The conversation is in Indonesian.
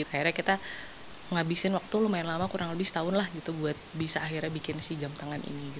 akhirnya kita ngabisin waktu lumayan lama kurang lebih setahun lah gitu buat bisa akhirnya bikin si jam tangan ini